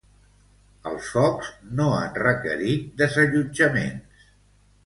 Els focs no han requerit desallotjaments.